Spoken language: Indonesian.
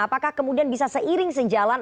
apakah kemudian bisa seiring sejalan